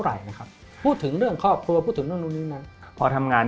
อะไรนะครับพูดถึงเรื่องครอบครัวพูดถึงเรื่องนู้นนี่นั้นพอทำงาน